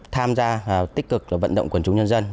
tham gia tích cực vận động quần chúng nhân dân